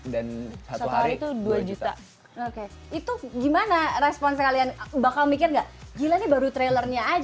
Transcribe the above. dan satu hari itu dua juta oke itu gimana respon sekalian bakal mikir enggak gila nih baru trailernya